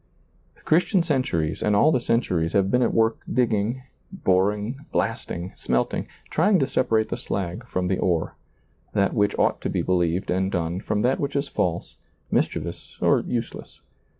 The Christian centuries and all the centuries have been at work digging, boring, blasting, smelting, trying to separate the slag from the ore, that which ought to be believed and done from that which is false, mischievous or useless.